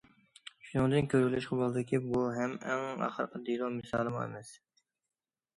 شۇنىڭدىن كۆرۈۋېلىشقا بولىدۇكى، بۇ ھەم ئەڭ ئاخىرقى دېلو مىسالىمۇ ئەمەس.